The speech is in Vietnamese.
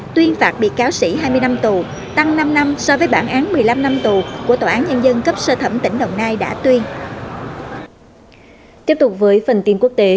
tuyên phạt bị cáo sĩ hai mươi năm tù tăng năm năm so với bản án một mươi năm năm tù của tòa án nhân dân cấp sơ thẩm tỉnh đồng nai đã tuyên